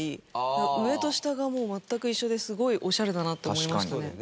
上と下がもう全く一緒ですごいオシャレだなって思いましたね。